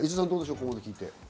ここまで聞いて。